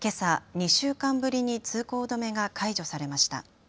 ２週間ぶりに通行止めが解除されました。